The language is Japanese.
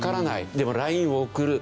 でもＬＩＮＥを送る。